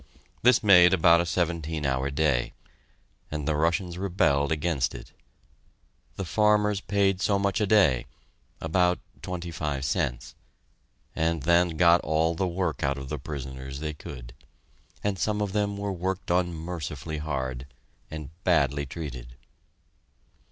This made about a seventeen hour day, and the Russians rebelled against it. The farmers paid so much a day (about twenty five cents) and then got all the work out of the prisoners they could; and some of them were worked unmercifully hard, and badly treated.